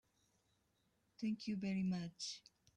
Thank you very much.